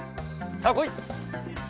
さあこい！